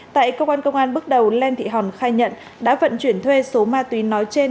tại công an công an bước đầu len thị hòn khai nhận đã vận chuyển thuê số ma túy nói trên